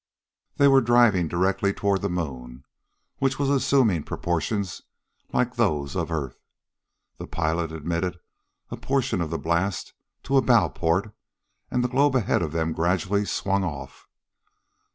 They were driving directly toward the moon, which was assuming proportions like those of earth. The pilot admitted a portion of the blast to a bow port, and the globe ahead of them gradually swung off.